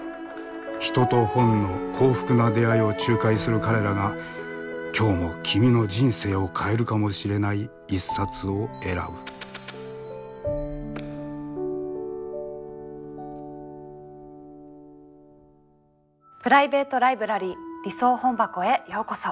人と本の幸福な出会いを仲介する彼らが今日も君の人生を変えるかもしれない一冊を選ぶプライベート・ライブラリー理想本箱へようこそ。